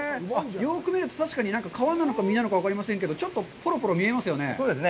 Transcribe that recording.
よく見ると、確かに皮なのか、身なのか分かりませんけど、ちょっとぽろぽろ見えますよね。